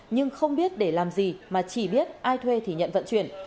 nhưng không biết để làm gì mà chỉ biết ai thuê thì nhận vận chuyển